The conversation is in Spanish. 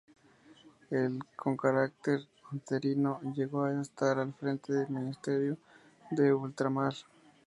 Con carácter interino llegó a estar al frente del Ministerio de Ultramar.